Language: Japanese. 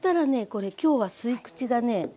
これ今日は吸い口がね